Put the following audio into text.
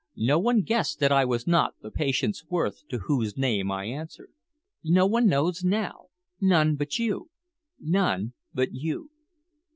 No one guessed that I was not the Patience Worth to whose name I answered. No one knows now, none but you, none but you."